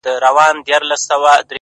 وربــاندي نــه وركوم ځــان مــلــگــرو.